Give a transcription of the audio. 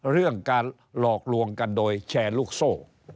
เรื่องการหลอกลวงกันโดยแชร์ลูกโซ่